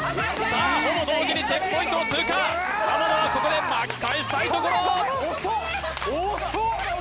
さあほぼ同時にチェックポイントを通過田はここで巻き返したいところ遅っ遅っ！